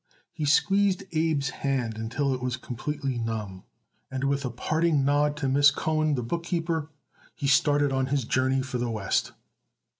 He squeezed Abe's hand until it was completely numb, and with a parting nod to Miss Cohen, the bookkeeper, he started on his journey for the West.